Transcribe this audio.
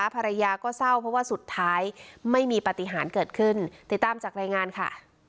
ภรรยาก็เศร้าเพราะว่าสุดท้ายไม่มีปฏิหารเกิดขึ้นติดตามจากรายงานค่ะ